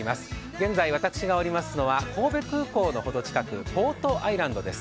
現在、私がおりますのは神戸空港のほど近く、ポートアイランドです。